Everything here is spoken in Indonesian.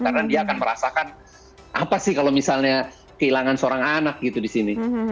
karena dia akan merasakan apa sih kalau misalnya kehilangan seorang anak gitu di sini